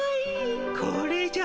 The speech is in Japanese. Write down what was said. これじゃ。